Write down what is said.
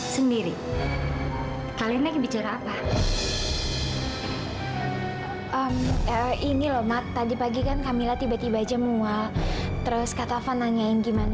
sampai jumpa di video selanjutnya